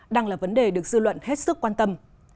đang là vấn đề được dư luận hết sức quan tâm